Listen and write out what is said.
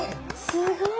すごい！